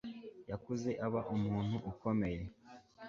Yakuze aba umuntu ukomeye